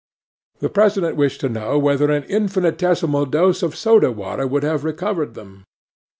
'THE PRESIDENT wished to know whether an infinitesimal dose of soda water would have recovered them?